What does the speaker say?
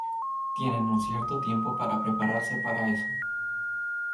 Tienen un cierto tiempo para prepararse para eso.